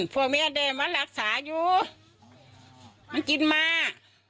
พวกมีอาทิตย์มันก็รักษายูเริ่มจิ้นมา